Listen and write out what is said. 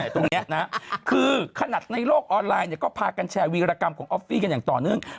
ตรงนี้นะคือขนาดในโลกออนไลน์เนี่ยก็พากันแชร์วีรกรรมของออฟฟี่กันอย่างต่อเนื่อง